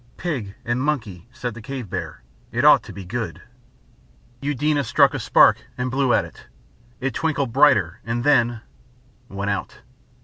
"Pig and monkey," said the cave bear. "It ought to be good." Eudena struck a spark and blew at it; it twinkled brighter and then went out.